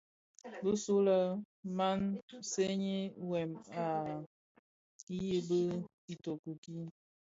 Bisulè maa seňi wêm a yibi itoki kii.